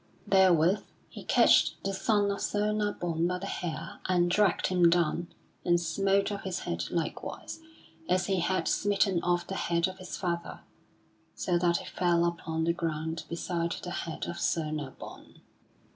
Therewith he catched the son of Sir Nabon by the hair and dragged him down and smote off his head likewise as he had smitten off the head of his father, so that it fell upon the ground beside the head of Sir Nabon.